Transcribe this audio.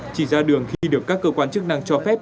chỉ ra đường khi được các cơ quan chức năng cho phép